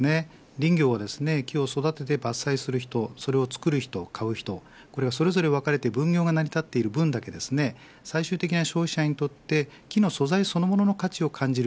林業は木を育てて伐採する人それを作る人、買う人それぞれ分かれて分業が成り立っている分だけ最終的な消費者にとって木の素材そのものの価値を感じる。